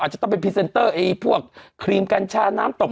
จะต้องเป็นพรีเซนเตอร์ไอ้พวกครีมกัญชาน้ำตก